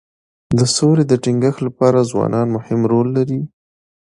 د سولي د ټینګښت لپاره ځوانان مهم رول لري.